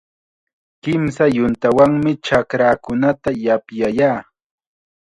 Kimsa yuntawanmi chakraakunata yapyayaa.